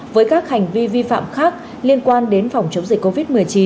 với các hành vi vi phạm khác liên quan đến phòng chống dịch covid một mươi chín